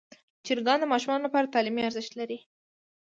چرګان د ماشومانو لپاره تعلیمي ارزښت لري.